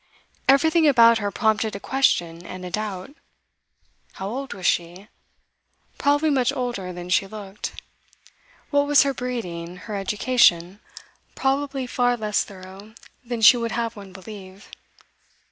Everything about her prompted a question and a doubt. How old was she? Probably much older than she looked. What was her breeding, her education? Probably far less thorough than she would have one believe.